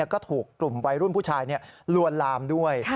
ก็ถูกกลุ่มวัยรุ่นผู้ชายลวนลามด้วย